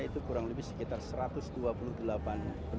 itu kurang lebih sekitar satu ratus dua puluh delapan